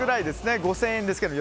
５０００円です。